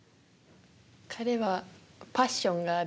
「パッションがある」